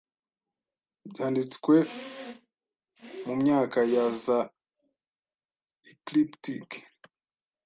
byanditswe mu myaka ya za Ecliptic